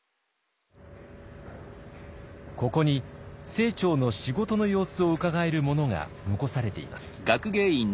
ここに清張の仕事の様子をうかがえるものが残されています。